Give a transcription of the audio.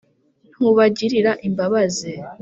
ntubagirira imbabazi